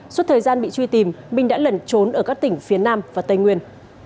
suốt thời gian bị truy tìm minh đã lẩn trốn ở các tỉnh phía nam và tây nguyên